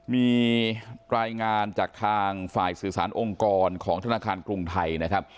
มีรายงานจากทางฝ่ายสื่อสารองค์กรของธนาคารกรุงไทยนะครับ